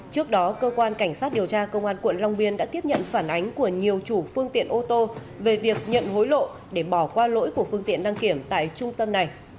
trước đó cơ quan cảnh sát điều tra công an quận long biên đã tiếp nhận phản ánh của nhiều chủ phương tiện ô tô về việc nhận hối lộ để bỏ qua lỗi của phương tiện đăng kiểm tại trung tâm này